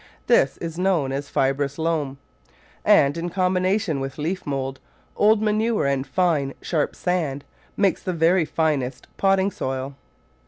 This is known as fibrous loam, and, in combination with leaf mould, old manure and fine, sharp sand, makes the very finest potting soil.